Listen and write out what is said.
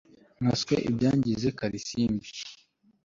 Nkanswe ibyangize Kalisimbi